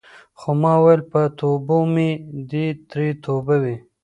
خو ما ویل په توبو مې دې ترې توبه وي.